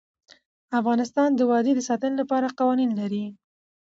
افغانستان د وادي د ساتنې لپاره قوانین لري.